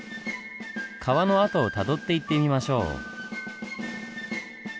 川の跡をたどっていってみましょう。